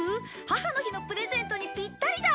母の日のプレゼントにぴったりだ！